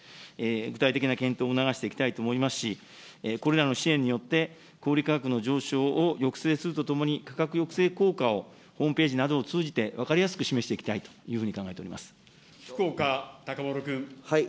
具体的な検討を促していきたいと思いますし、これらの支援によって、小売り価格の上昇を抑制するとともに、価格抑制効果をホームページなどを通じて、分かりやすく示していきたいというふうに考福岡資麿君。